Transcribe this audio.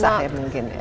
susah ya mungkin ya